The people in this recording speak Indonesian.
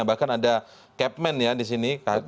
bahkan ada capman ya di sini